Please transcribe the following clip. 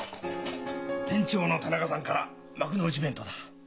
店長の田中さんから幕の内弁当だ。